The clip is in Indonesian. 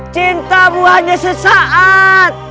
cintamu hanya sesaat